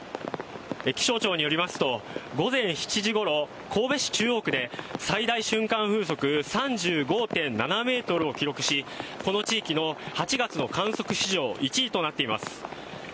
気象庁によりますと午前７時ごろ神戸市中央区で最大瞬間風速３５．７メートルを記録しこの地域の８月の観測史上１位となっています